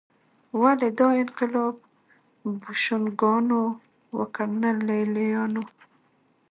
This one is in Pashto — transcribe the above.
ولې دا انقلاب بوشونګانو وکړ نه لېلیانو